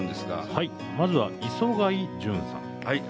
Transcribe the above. はい、まずは磯貝純さん。